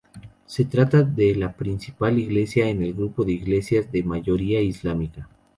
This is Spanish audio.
Se trata de la principal iglesia en el grupo de islas de mayoría islámica.